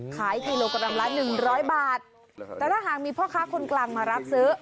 ขายกิโลกรัมละหนึ่งร้อยบาทแต่ถ้าหากมีพ่อค้าคนกลางมารับซื้อ